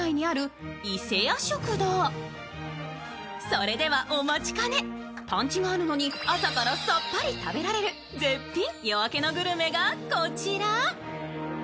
それでは、お待ちかね、パンチがあるのに、朝からさっぱり食べられる絶品夜明けのグルメがこちら。